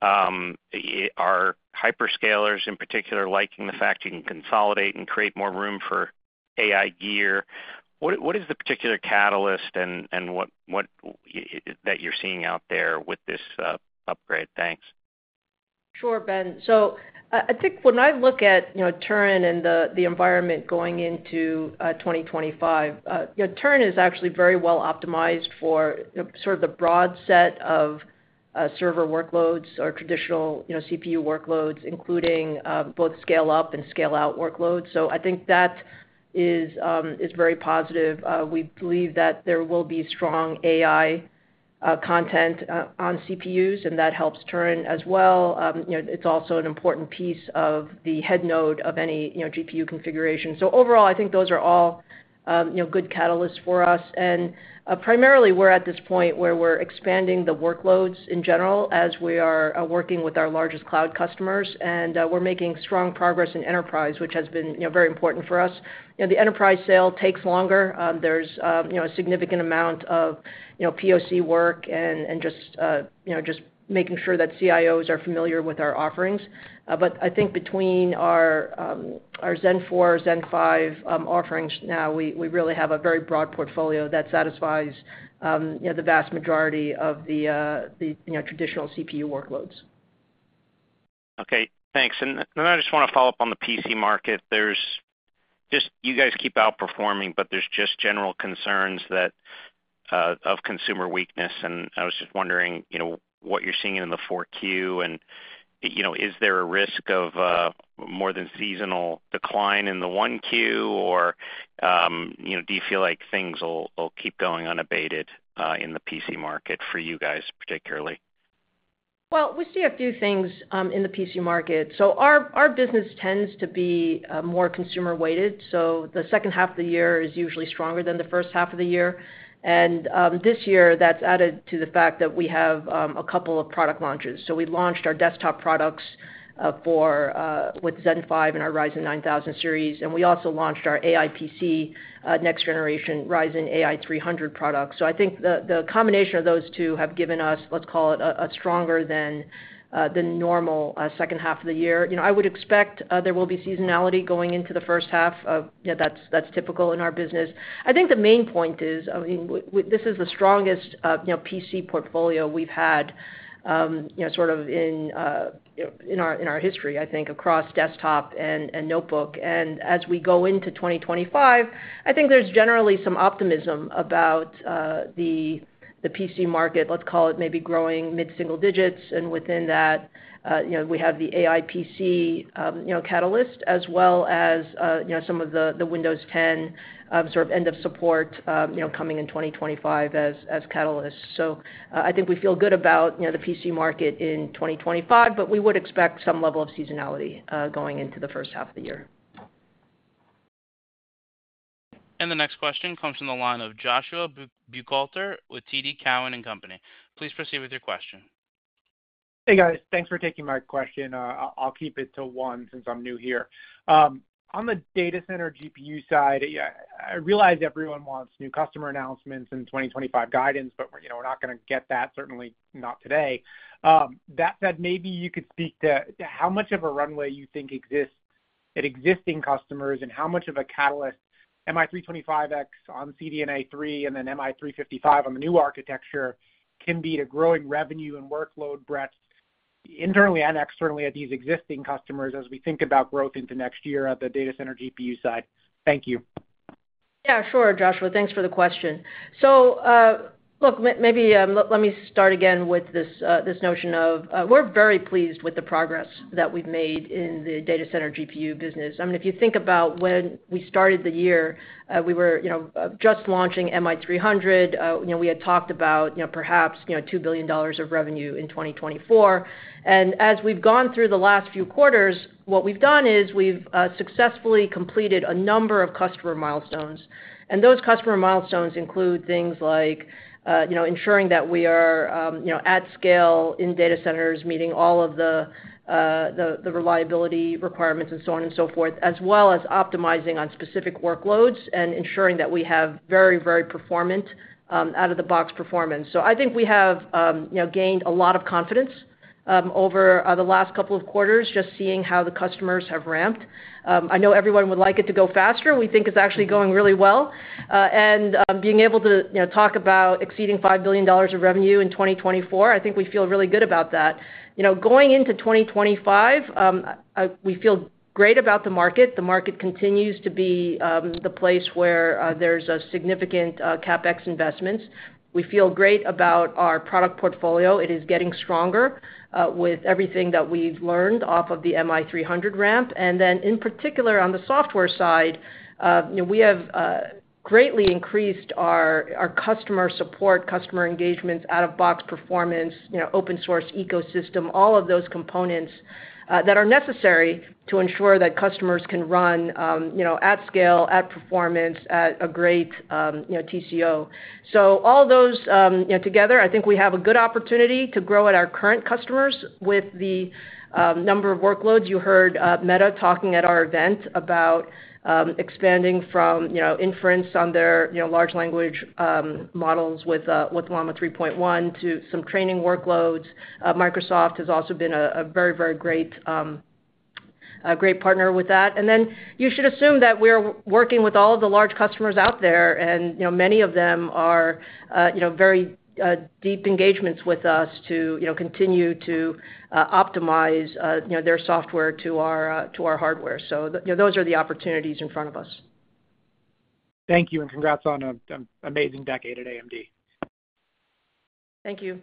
S9: Are hyperscalers in particular liking the fact you can consolidate and create more room for AI gear? What is the particular catalyst and what that you're seeing out there with this upgrade? Thanks.
S3: Sure, Ben, so I think when I look at Turin and the environment going into 2025, Turin is actually very well optimized for sort of the broad set of server workloads or traditional CPU workloads, including both scale-up and scale-out workloads, so I think that is very positive. We believe that there will be strong AI content on CPUs, and that helps Turin as well. It's also an important piece of the head node of any GPU configuration. So overall, I think those are all good catalysts for us. And primarily, we're at this point where we're expanding the workloads in general as we are working with our largest cloud customers. And we're making strong progress in enterprise, which has been very important for us. The enterprise sale takes longer. There's a significant amount of POC work and just making sure that CIOs are familiar with our offerings. But I think between our Zen 4, Zen 5 offerings now, we really have a very broad portfolio that satisfies the vast majority of the traditional CPU workloads.
S9: Okay. Thanks. And then I just want to follow up on the PC market. You guys keep outperforming, but there's just general concerns of consumer weakness. And I was just wondering what you're seeing in the 4Q, and is there a risk of more than seasonal decline in the 1Q, or do you feel like things will keep going unabated in the PC market for you guys particularly?
S3: Well, we see a few things in the PC market. So our business tends to be more consumer-weighted. So the second half of the year is usually stronger than the first half of the year. And this year, that's added to the fact that we have a couple of product launches. So we launched our desktop products with Zen 5 and our Ryzen 9000 series. And we also launched our AI PC next-generation Ryzen AI 300 products. So I think the combination of those two have given us, let's call it, a stronger than the normal second half of the year. I would expect there will be seasonality going into the first half of that's typical in our business. I think the main point is, I mean, this is the strongest PC portfolio we've had sort of in our history, I think, across desktop and notebook. And as we go into 2025, I think there's generally some optimism about the PC market, let's call it maybe growing mid-single digits. And within that, we have the AI PC catalyst as well as some of the Windows 10 sort of end-of-support coming in 2025 as catalysts. So I think we feel good about the PC market in 2025, but we would expect some level of seasonality going into the first half of the year.
S1: And the next question comes from the line of Joshua Buchalter with TD Cowen. Please proceed with your question.
S10: Hey, guys. Thanks for taking my question. I'll keep it to one since I'm new here. On the data center GPU side, I realize everyone wants new customer announcements and 2025 guidance, but we're not going to get that, certainly not today. That said, maybe you could speak to how much of a runway you think exists at existing customers and how much of a catalyst MI325X on CDNA 3 and then MI355 on the new architecture can be to growing revenue and workload breadth internally and externally at these existing customers as we think about growth into next year at the data center GPU side. Thank you.
S3: Yeah. Sure, Joshua. Thanks for the question. So look, maybe let me start again with this notion of we're very pleased with the progress that we've made in the data center GPU business. I mean, if you think about when we started the year, we were just launching MI300. We had talked about perhaps $2 billion of revenue in 2024. And as we've gone through the last few quarters, what we've done is we've successfully completed a number of customer milestones. And those customer milestones include things like ensuring that we are at scale in data centers, meeting all of the reliability requirements and so on and so forth, as well as optimizing on specific workloads and ensuring that we have very, very performant out-of-the-box performance. So I think we have gained a lot of confidence over the last couple of quarters, just seeing how the customers have ramped. I know everyone would like it to go faster. We think it's actually going really well. And being able to talk about exceeding $5 billion of revenue in 2024, I think we feel really good about that. Going into 2025, we feel great about the market. The market continues to be the place where there's significant CapEx investments. We feel great about our product portfolio. It is getting stronger with everything that we've learned off of the MI300 ramp. And then in particular, on the software side, we have greatly increased our customer support, customer engagements, out-of-box performance, open-source ecosystem, all of those components that are necessary to ensure that customers can run at scale, at performance, at a great TCO. So all those together, I think we have a good opportunity to grow at our current customers with the number of workloads. You heard Meta talking at our event about expanding from inference on their large language models with Llama 3.1 to some training workloads. Microsoft has also been a very, very great partner with that. And then you should assume that we're working with all of the large customers out there, and many of them are very deep engagements with us to continue to optimize their software to our hardware. So those are the opportunities in front of us.
S10: Thank you, and congrats on an amazing decade at AMD.
S3: Thank you.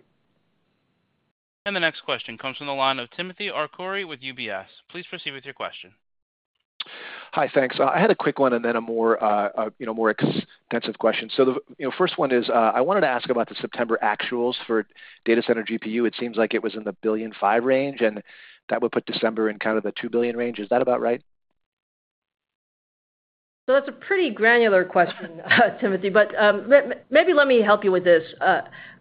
S1: And the next question comes from the line of Timothy Arcuri with UBS. Please proceed with your question.
S11: Hi, thanks. I had a quick one and then a more extensive question. So the first one is I wanted to ask about the September actuals for data center GPU. It seems like it was in the $1.5 billion range, and that would put December in kind of the $2 billion range. Is that about right?
S3: So that's a pretty granular question, Timothy, but maybe let me help you with this.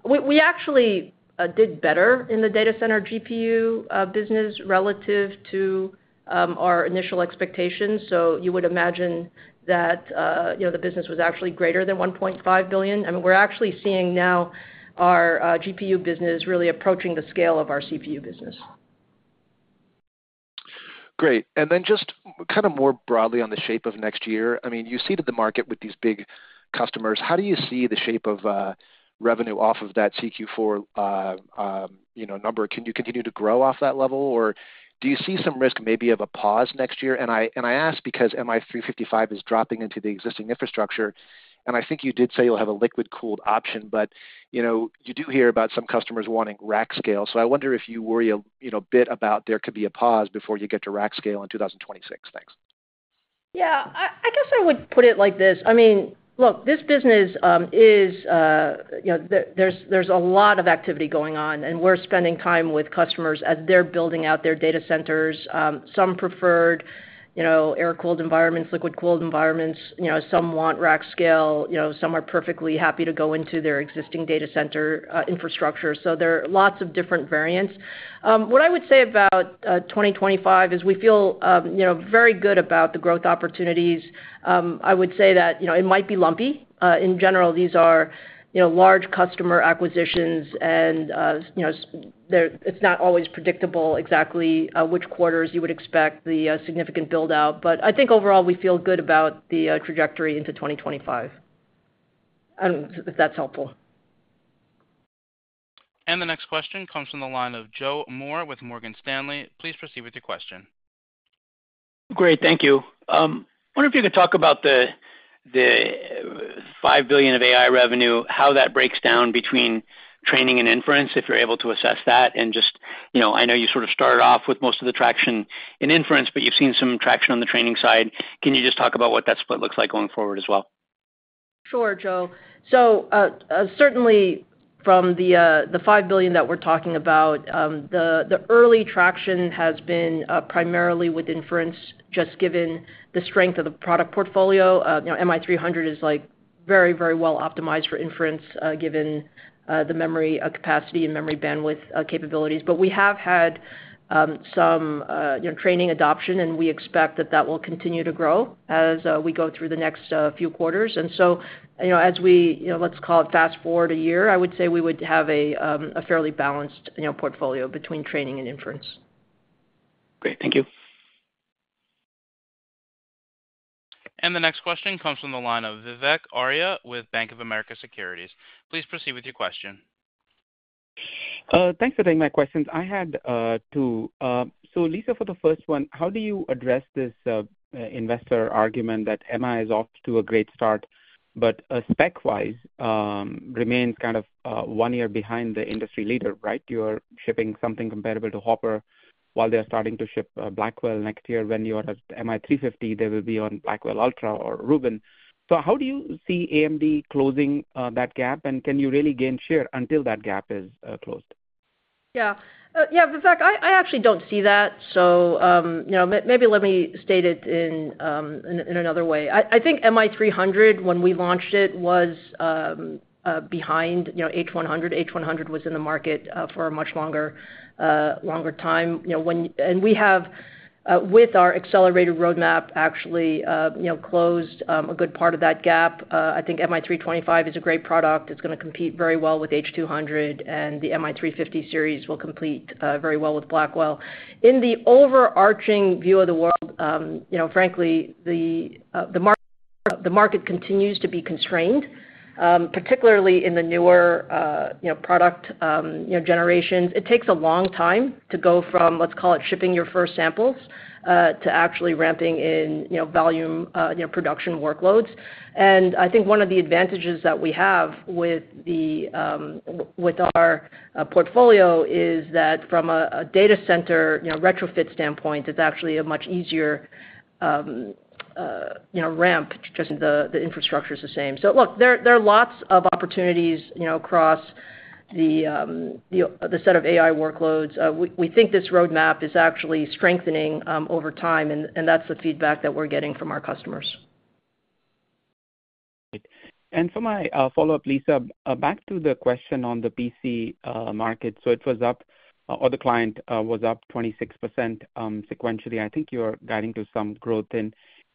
S3: We actually did better in the data center GPU business relative to our initial expectations. So you would imagine that the business was actually greater than $1.5 billion. I mean, we're actually seeing now our GPU business really approaching the scale of our CPU business.
S11: Great. And then just kind of more broadly on the shape of next year. I mean, you see the market with these big customers. How do you see the shape of revenue off of that Q4 number? Can you continue to grow off that level, or do you see some risk maybe of a pause next year? And I ask because MI355 is dropping into the existing infrastructure, and I think you did say you'll have a liquid-cooled option, but you do hear about some customers wanting rack scale. So I wonder if you worry a bit about there could be a pause before you get to rack scale in 2026. Thanks.
S3: Yeah. I guess I would put it like this. I mean, look, this business is, there's a lot of activity going on, and we're spending time with customers as they're building out their data centers. Some preferred air-cooled environments, liquid-cooled environments. Some want rack scale. Some are perfectly happy to go into their existing data center infrastructure. So there are lots of different variants. What I would say about 2025 is we feel very good about the growth opportunities. I would say that it might be lumpy. In general, these are large customer acquisitions, and it's not always predictable exactly which quarters you would expect the significant build-out. But I think overall, we feel good about the trajectory into 2025. I don't know if that's helpful.
S1: And the next question comes from the line of Joe Moore with Morgan Stanley. Please proceed with your question.
S12: Great. Thank you. I wonder if you could talk about the $5 billion of AI revenue, how that breaks down between training and inference, if you're able to assess that. And just I know you sort of started off with most of the traction in inference, but you've seen some traction on the training side. Can you just talk about what that split looks like going forward as well?
S3: Sure, Joe. So certainly, from the $5 billion that we're talking about, the early traction has been primarily with inference, just given the strength of the product portfolio. MI300 is very, very well optimized for inference, given the memory capacity and memory bandwidth capabilities. But we have had some training adoption, and we expect that that will continue to grow as we go through the next few quarters. And so as we, let's call it, fast forward a year, I would say we would have a fairly balanced portfolio between training and inference.
S12: Great. Thank you.
S1: And the next question comes from the line of Vivek Arya with Bank of America Securities. Please proceed with your question.
S13: Thanks for taking my questions. I had two. Lisa, for the first one, how do you address this investor argument that MI is off to a great start, but spec-wise remains kind of one year behind the industry leader, right? You are shipping something comparable to Hopper while they are starting to ship Blackwell next year. When you are at MI350, they will be on Blackwell Ultra or Rubin. How do you see AMD closing that gap, and can you really gain share until that gap is closed?
S3: Yeah. Yeah, Vivek, I actually don't see that. Maybe let me state it in another way. I think MI300, when we launched it, was behind H100. H100 was in the market for a much longer time. We have, with our accelerated roadmap, actually closed a good part of that gap. I think MI325 is a great product. It's going to compete very well with H200, and the MI350 series will compete very well with Blackwell. In the overarching view of the world, frankly, the market continues to be constrained, particularly in the newer product generations. It takes a long time to go from, let's call it, shipping your first samples to actually ramping in volume production workloads. And I think one of the advantages that we have with our portfolio is that from a data center retrofit standpoint, it's actually a much easier ramp, just. The infrastructure is the same. So look, there are lots of opportunities across the set of AI workloads. We think this roadmap is actually strengthening over time, and that's the feedback that we're getting from our customers.
S13: And for my follow-up, Lisa, back to the question on the PC market. So it was up, or the client was up 26% sequentially. I think you're guiding to some growth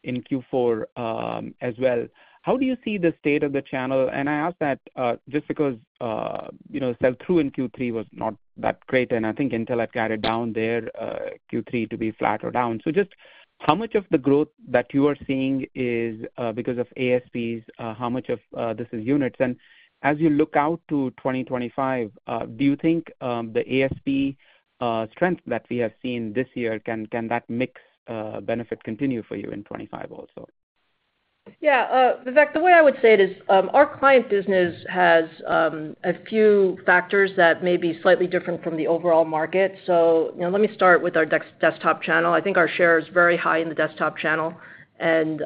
S13: in Q4 as well. How do you see the state of the channel, and I ask that just because sell-through in Q3 was not that great, and I think Intel had guided down their Q3 to be flat or down, so just how much of the growth that you are seeing is because of ASPs, how much of this is units, and as you look out to 2025, do you think the ASP strength that we have seen this year, can that mix benefit continue for you in 2025 also?
S3: Yeah. Vivek, the way I would say it is our client business has a few factors that may be slightly different from the overall market, so let me start with our desktop channel. I think our share is very high in the desktop channel, and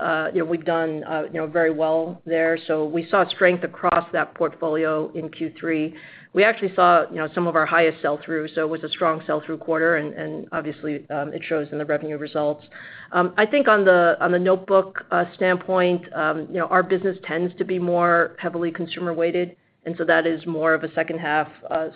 S3: we've done very well there. So we saw strength across that portfolio in Q3. We actually saw some of our highest sell-through. So it was a strong sell-through quarter, and obviously, it shows in the revenue results. I think on the notebook standpoint, our business tends to be more heavily consumer-weighted, and so that is more of a second-half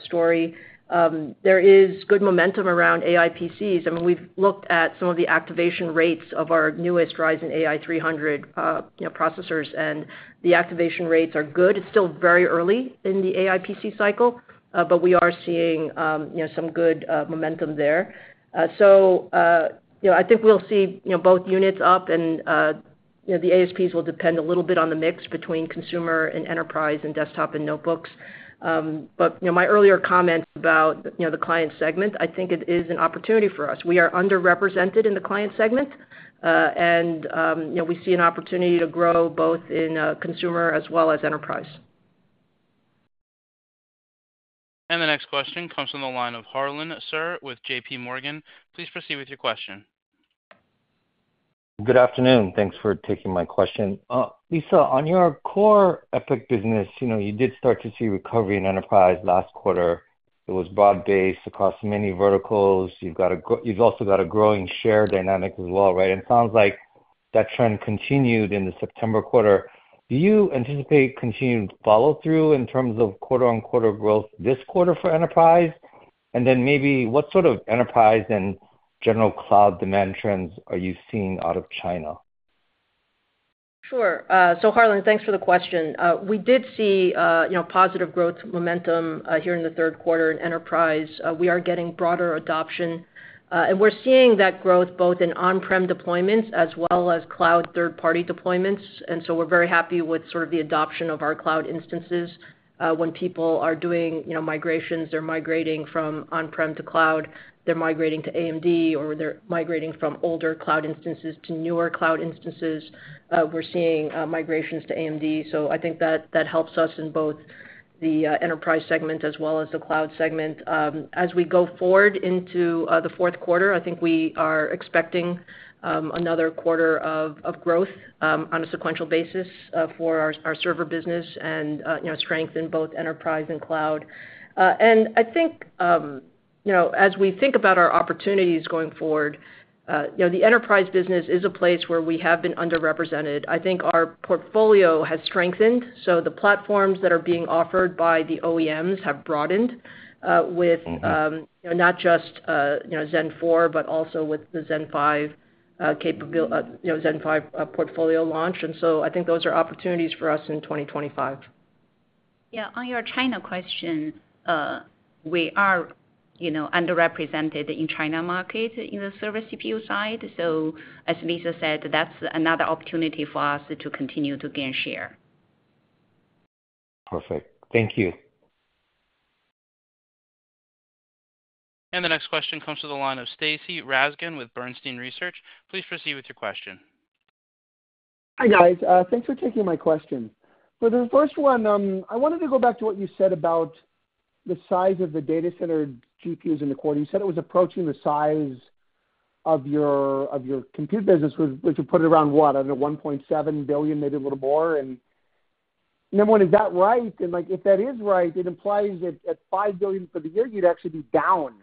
S3: story. There is good momentum around AI PCs. I mean, we've looked at some of the activation rates of our newest Ryzen AI 300 processors, and the activation rates are good. It's still very early in the AI PC cycle, but we are seeing some good momentum there. So I think we'll see both units up, and the ASPs will depend a little bit on the mix between consumer and enterprise and desktop and notebooks. But my earlier comment about the client segment, I think it is an opportunity for us. We are underrepresented in the client segment, and we see an opportunity to grow both in consumer as well as enterprise.
S1: And the next question comes from the line of Harlan Sur with J.P. Morgan. Please proceed with your question.
S14: Good afternoon. Thanks for taking my question. Lisa, on your core EPYC business, you did start to see recovery in enterprise last quarter. It was broad-based across many verticals. You've also got a growing share dynamic as well, right? And it sounds like that trend continued in the September quarter. Do you anticipate continued follow-through in terms of quarter-on-quarter growth this quarter for enterprise? And then maybe what sort of enterprise and general cloud demand trends are you seeing out of China?
S3: Sure. So Harlan, thanks for the question. We did see positive growth momentum here in the third quarter in enterprise. We are getting broader adoption, and we're seeing that growth both in on-prem deployments as well as cloud third-party deployments, and so we're very happy with sort of the adoption of our cloud instances. When people are doing migrations, they're migrating from on-prem to cloud, they're migrating to AMD, or they're migrating from older cloud instances to newer cloud instances. We're seeing migrations to AMD, so I think that helps us in both the enterprise segment as well as the cloud segment. As we go forward into the fourth quarter, I think we are expecting another quarter of growth on a sequential basis for our server business and strength in both enterprise and cloud, and I think as we think about our opportunities going forward, the enterprise business is a place where we have been underrepresented. I think our portfolio has strengthened. So the platforms that are being offered by the OEMs have broadened with not just Zen 4, but also with the Zen 5 portfolio launch. And so I think those are opportunities for us in 2025.
S4: Yeah. On your China question, we are underrepresented in the China market in the server CPU side. So as Lisa said, that's another opportunity for us to continue to gain share.
S14: Perfect. Thank you.
S1: And the next question comes from the line of Stacy Rasgon with Bernstein Research. Please proceed with your question.
S15: Hi guys. Thanks for taking my question. For the first one, I wanted to go back to what you said about the size of the data center GPUs in the quarter. You said it was approaching the size of your compute business, which would put it around what? I don't know, $1.7 billion, maybe a little more? Number one, is that right? And if that is right, it implies that at $5 billion for the year, you'd actually be down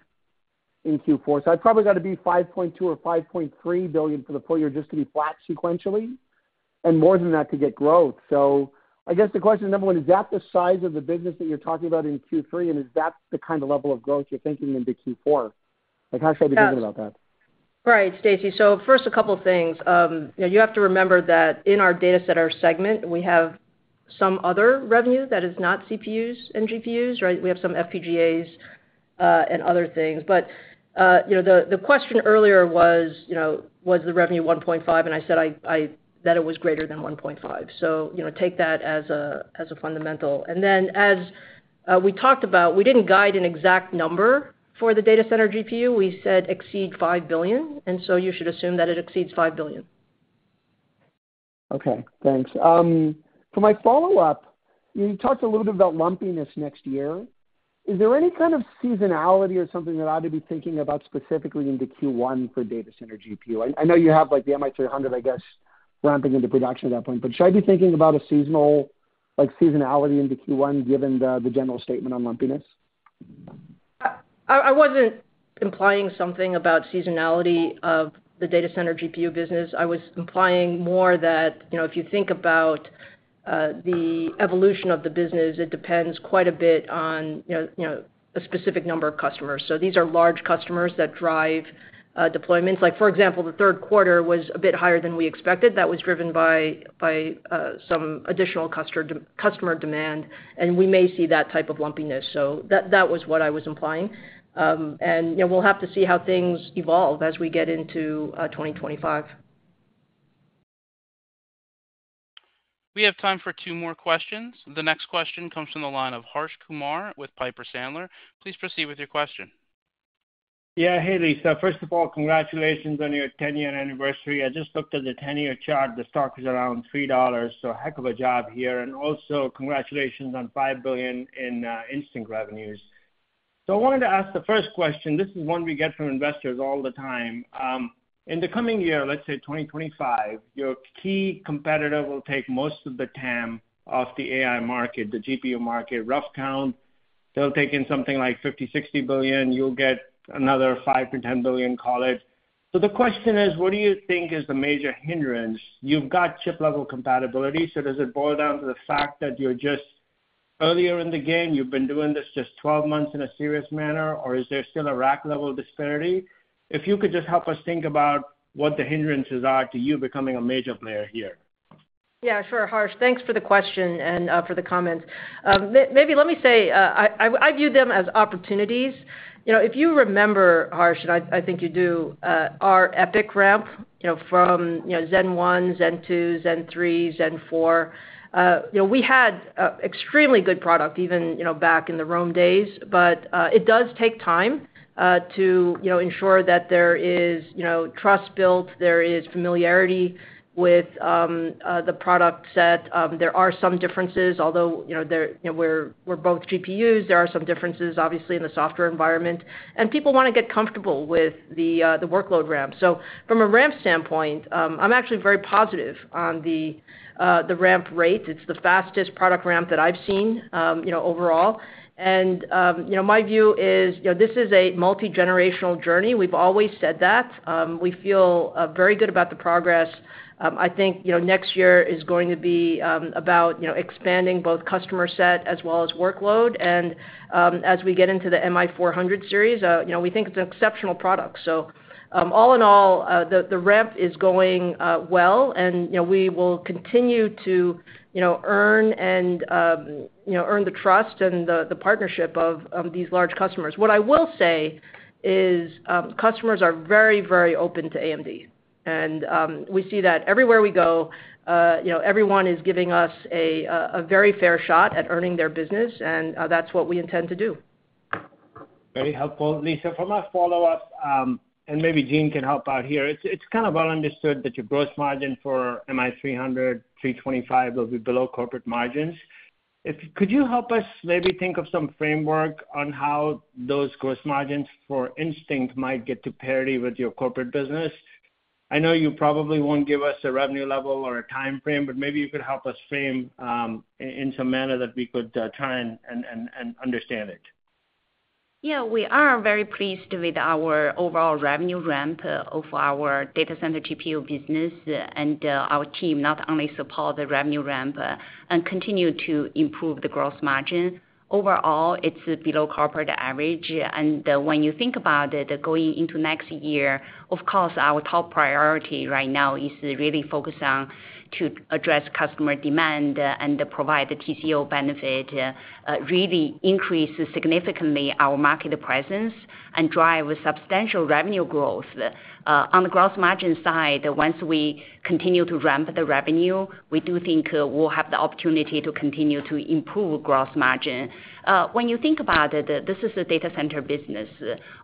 S15: in Q4. So I'd probably got to be $5.2 billion or $5.3 billion for the full year just to be flat sequentially, and more than that could get growth. So I guess the question, number one, is that the size of the business that you're talking about in Q3, and is that the kind of level of growth you're thinking into Q4? How should I be thinking about that?
S3: Right. Stacy, so first, a couple of things. You have to remember that in our data center segment, we have some other revenue that is not CPUs and GPUs, right? We have some FPGAs and other things. But the question earlier was, was the revenue $1.5 billion? And I said that it was greater than $1.5 billion. So take that as a fundamental. And then as we talked about, we didn't guide an exact number for the data center GPU. We said exceed $5 billion. And so you should assume that it exceeds $5 billion.
S15: Okay. Thanks. For my follow-up, you talked a little bit about lumpiness next year. Is there any kind of seasonality or something that I'd be thinking about specifically in the Q1 for data center GPU? I know you have the MI300, I guess, ramping into production at that point, but should I be thinking about a seasonality in the Q1 given the general statement on lumpiness?
S3: I wasn't implying something about seasonality of the data center GPU business. I was implying more that if you think about the evolution of the business, it depends quite a bit on a specific number of customers. So these are large customers that drive deployments. For example, the third quarter was a bit higher than we expected. That was driven by some additional customer demand, and we may see that type of lumpiness. So that was what I was implying. And we'll have to see how things evolve as we get into 2025.
S1: We have time for two more questions. The next question comes from the line of Harsh Kumar with Piper Sandler. Please proceed with your question.
S16: Yeah. Hey, Lisa. First of all, congratulations on your 10-year anniversary. I just looked at the 10-year chart. The stock is around $3, so heck of a job here. And also, congratulations on $5 billion in Instinct revenues. So I wanted to ask the first question. This is one we get from investors all the time. In the coming year, let's say 2025, your key competitor will take most of the TAM off the AI market, the GPU market. Rough count, they'll take in something like $50-$60 billion. You'll get another $5-$10 billion, call it. So the question is, what do you think is the major hindrance? You've got chip-level compatibility. So does it boil down to the fact that you're just earlier in the game? You've been doing this just 12 months in a serious manner, or is there still a rack-level disparity? If you could just help us think about what the hindrances are to you becoming a major player here.
S3: Yeah. Sure. Harsh, thanks for the question and for the comments. Maybe let me say I view them as opportunities. If you remember, Harsh, and I think you do, our EPYC ramp from Zen 1, Zen 2, Zen 3, Zen 4. We had extremely good product even back in the Rome days, but it does take time to ensure that there is trust built, there is familiarity with the product set. There are some differences, although we're both GPUs, there are some differences, obviously, in the software environment, and people want to get comfortable with the workload ramp, so from a ramp standpoint, I'm actually very positive on the ramp rate. It's the fastest product ramp that I've seen overall, and my view is this is a multi-generational journey. We've always said that. We feel very good about the progress. I think next year is going to be about expanding both customer set as well as workload. As we get into the MI400 series, we think it's an exceptional product. So all in all, the ramp is going well, and we will continue to earn and earn the trust and the partnership of these large customers. What I will say is customers are very, very open to AMD. And we see that everywhere we go, everyone is giving us a very fair shot at earning their business, and that's what we intend to do.
S16: Very helpful. Lisa, for my follow-up, and maybe Jean can help out here. It's kind of well understood that your gross margin for MI300, MI325 will be below corporate margins. Could you help us maybe think of some framework on how those gross margins for Instinct might get to parity with your corporate business? I know you probably won't give us a revenue level or a time frame, but maybe you could help us frame in some manner that we could try and understand it.
S4: Yeah. We are very pleased with our overall revenue ramp of our data center GPU business, and our team not only support the revenue ramp and continue to improve the gross margin. Overall, it's below corporate average, and when you think about it, going into next year, of course, our top priority right now is really focusing on addressing customer demand and providing TCO benefit, really increasing significantly our market presence and driving substantial revenue growth. On the gross margin side, once we continue to ramp the revenue, we do think we'll have the opportunity to continue to improve gross margin. When you think about it, this is a data center business.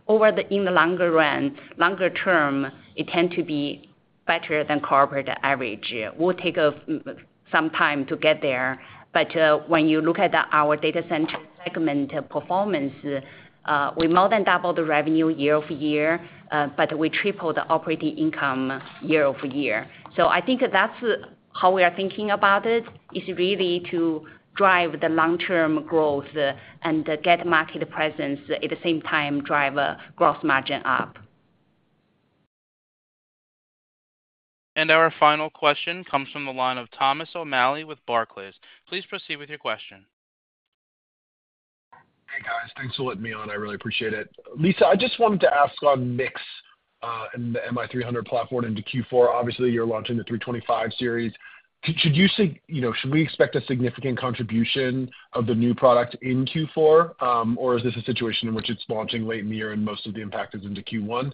S4: Over the longer run, longer term, it tends to be better than corporate average. It will take some time to get there. But when you look at our data center segment performance, we more than double the revenue year-over-year, but we triple the operating income year-over-year. So I think that's how we are thinking about it, is really to drive the long-term growth and get market presence at the same time, drive gross margin up.
S1: And our final question comes from the line of Thomas O'Malley with Barclays. Please proceed with your question.
S17: Hey, guys. Thanks for letting me on. I really appreciate it. Lisa, I just wanted to ask on MI300X and the MI300 platform into Q4. Obviously, you're launching the MI325 series. Should we expect a significant contribution of the new product in Q4, or is this a situation in which it's launching late in the year and most of the impact is into Q1?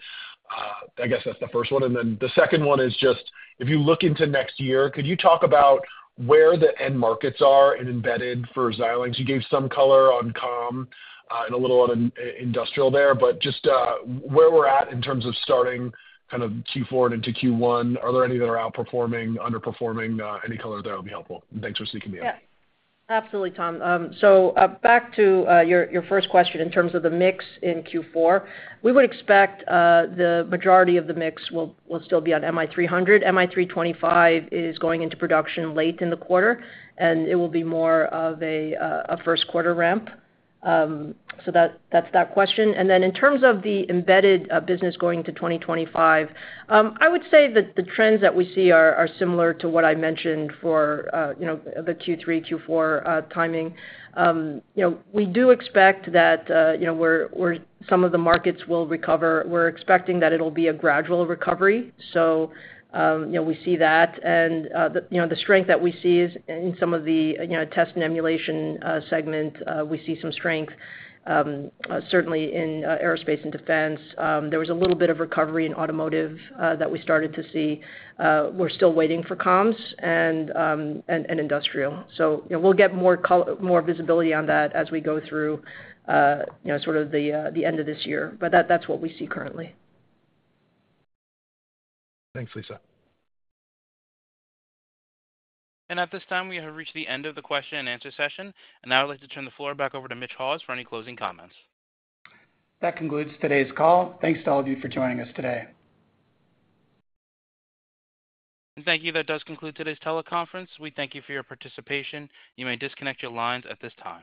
S17: I guess that's the first one. And then the second one is just, if you look into next year, could you talk about where the end markets are and embedded for Xilinx? You gave some color on comms and a little on industrial there, but just where we're at in terms of starting kind of Q4 and into Q1, are there any that are outperforming, underperforming? Any color there would be helpful.
S3: And thanks for speaking to me. Yeah. Absolutely, Tom. So back to your first question in terms of the MI300X in Q4, we would expect the majority of the MI300X will still be on MI300. MI325 is going into production late in the quarter, and it will be more of a first-quarter ramp. So that's that question. And then in terms of the embedded business going into 2025, I would say that the trends that we see are similar to what I mentioned for the Q3, Q4 timing. We do expect that some of the markets will recover. We're expecting that it'll be a gradual recovery. So we see that. And the strength that we see is in some of the test and emulation segment. We see some strength, certainly in aerospace and defense. There was a little bit of recovery in automotive that we started to see. We're still waiting for comms and industrial. So we'll get more visibility on that as we go through sort of the end of this year. But that's what we see currently.
S17: Thanks, Lisa.
S1: At this time, we have reached the end of the question and answer session. Now I'd like to turn the floor back over to Mitch Haws for any closing comments.
S2: That concludes today's call. Thanks to all of you for joining us today. Thank you.
S1: That does conclude today's teleconference. We thank you for your participation. You may disconnect your lines at this time.